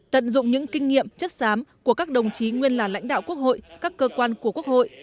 tận dụng những kinh nghiệm chất xám của các đồng chí nguyên là lãnh đạo quốc hội các cơ quan của quốc hội